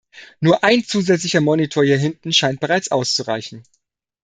Nur ein zusätzlicher Monitor hier hinten scheint bereits auszureichen.